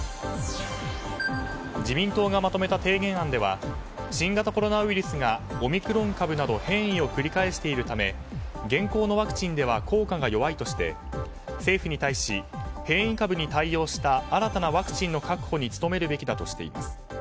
自民党がまとめた提言案では新型コロナウイルスがオミクロン株など変異を繰り返しているため現行のワクチンでは効果が弱いとして、政府に対し変異株に対応した新たなワクチンの確保に努めるべきだとしています。